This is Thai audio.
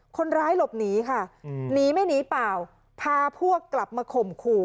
คนร้ายหลบหนีค่ะหนีไม่หนีเปล่าพาพวกกลับมาข่มขู่